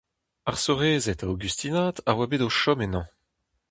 Ar seurezed aogustinat a oa bet o chom ennañ.